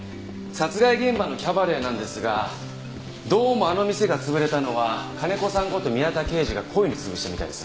殺害現場のキャバレーなんですがどうもあの店が潰れたのは金子さんこと宮田刑事が故意に潰したみたいです。